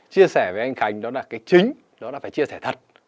chia sẻ với anh khánh đó là cái chính đó là phải chia sẻ thật